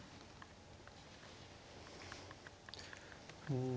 うん。